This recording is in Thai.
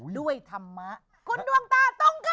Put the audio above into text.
ด้วยธรรมะคุณดวงตาตงคมดี